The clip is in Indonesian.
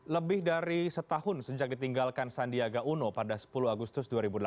lebih dari setahun sejak ditinggalkan sandiaga uno pada sepuluh agustus dua ribu delapan belas